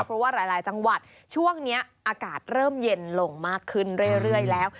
เพราะว่าหลายจังหวัดช่วงนี้อากาศเริ่มเย็นลงมากขึ้นเรื่อยแล้ว